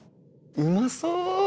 うまそう！